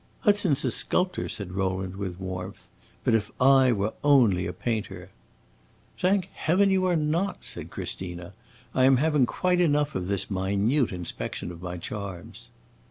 "Hudson 's a sculptor," said Rowland, with warmth. "But if I were only a painter!" "Thank Heaven you are not!" said Christina. "I am having quite enough of this minute inspection of my charms."